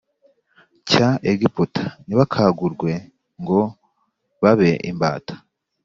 cya Egiputa ntibakagurwe ngo babe imbata